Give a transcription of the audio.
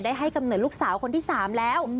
ให้กำเนิดลูกสาวคนที่๓แล้ว